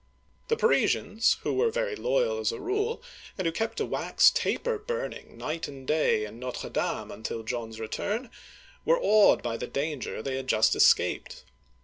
The Parisians, who were very loyal as a rule, and who kept a wax taper burning night and day in Notre Dame until John's return, were awed by the danger they had just es caped.